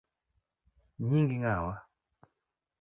Nyingi ng’awa?